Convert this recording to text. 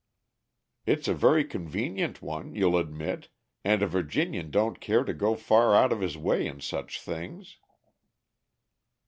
'" "It's a very convenient one, you'll admit, and a Virginian don't care to go far out of his way in such things."